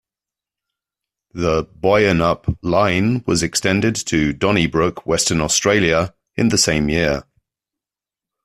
The Boyanup line was extended to Donnybrook, Western Australia in the same year.